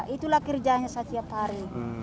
itulah kerjanya setiap hari